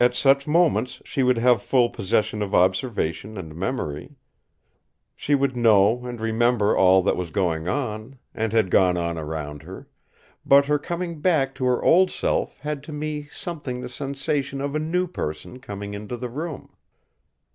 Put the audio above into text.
At such moments she would have full possession of observation and memory. She would know and remember all that was going on, and had gone on around her; but her coming back to her old self had to me something the sensation of a new person coming into the room.